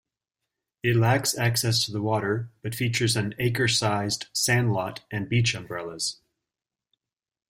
It lacks access to the water, but features an acre-sized sandlot and beach umbrellas.